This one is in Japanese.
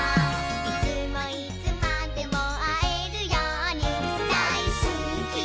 「いつもいつまでもあえるようにだいすきだからまたね」